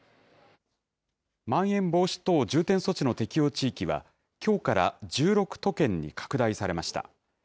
まん延防止等重点措置の適用地域は、きょうから１６都県に拡大されました。